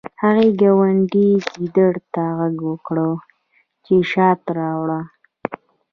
هغې ګاونډي ګیدړ ته غږ وکړ چې شات راوړي